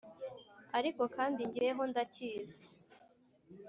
Ariko kandi jyeho ndacyizi